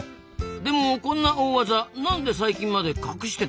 でもこんな大ワザ何で最近まで隠してたんですか？